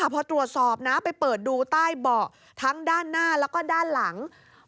พอตรวจสอบนะไปเปิดดูใต้เบาะทั้งด้านหน้าแล้วก็ด้านหลัง